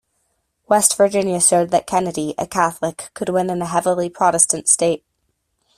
West Virginia showed that Kennedy, a Catholic, could win in a heavily Protestant state.